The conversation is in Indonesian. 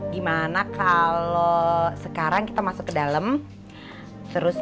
gimana kalau sekarang kita masuk ke dalam